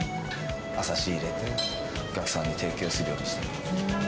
朝、仕入れて、お客さんに提供するようにしています。